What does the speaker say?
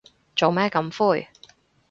做咩咁灰